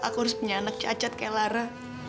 aku harus punya anak cacat kayak lara